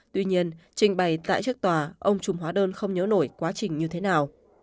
tuy nhiên trình bày tại trách tòa ông trùm hóa đơn không nhớ nổi quá trình như thế nào